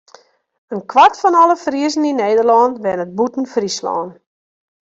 In kwart fan alle Friezen yn Nederlân wennet bûten Fryslân.